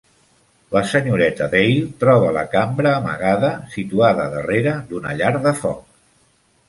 La senyoreta Dale troba la cambra amagada, situada darrera d'una llar de foc.